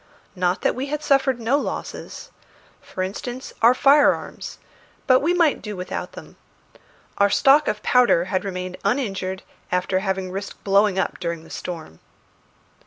Not that we had suffered no losses. For instance, our firearms; but we might do without them. Our stock of powder had remained uninjured after having risked blowing up during the storm.